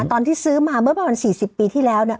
ตอนที่ซื้อมาเมื่อประมาณ๔๐ปีที่แล้วเนี่ย